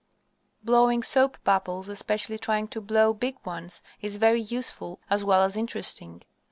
Blowing soap bubbles, especially trying to blow big ones, is very useful as well as interesting.